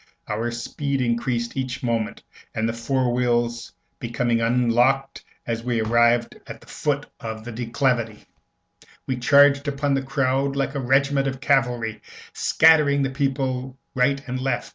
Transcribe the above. Our speed increased every moment, and, the fore wheels becoming unlocked as we arrived at the foot of the declivity, we charged upon the crowd like a regiment of cavalry, scattering the people right and left.